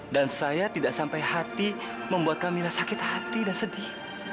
dan saya tidak sampai hati membuat kamila sakit hati dan sedih